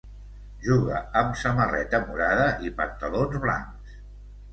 Juga amb samarreta morada i pantalons blancs.